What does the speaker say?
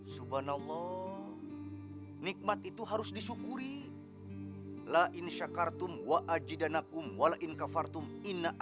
subhanallah nikmat itu harus disyukurilah